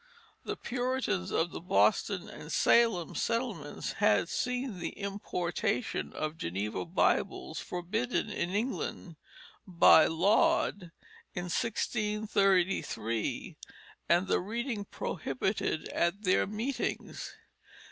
The Puritans of the Boston and Salem settlements had seen the importation of Geneva Bibles forbidden in England by Laud in 1633, and the reading prohibited at their meetings.